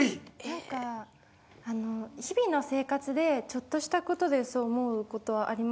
何か日々の生活でちょっとしたことでそう思うことはありますけど。